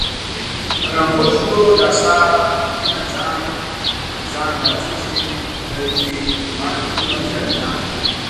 فراموش کړو دا ستا په مینه ځان ځان لا څه چې بلکې عمر جاوېدان